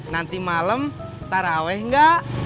nanti malem taraweh gak